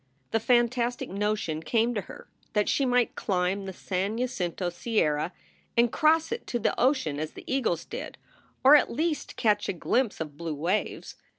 The fantastic notion came to her that she might climb the San Jacinto sierra and cross it to the ocean as the eagles did, or at least catch a glimpse of blue waves.